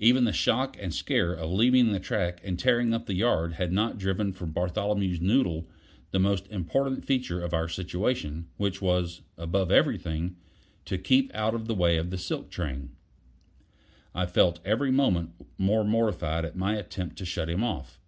Even the shock and scare of leaving the track and tearing up the yard had not driven from Bartholomew's noddle the most important feature of our situation, which was, above everything, to keep out of the way of the silk train. I felt every moment more mortified at my attempt to shut him off.